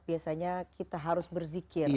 biasanya kita harus berzikir